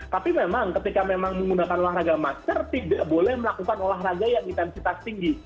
tapi memang ketika memang menggunakan olahraga masker tidak boleh melakukan olahraga yang intensitas tinggi